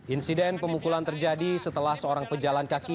insiden pemukulan terjadi setelah seorang pejalan kaki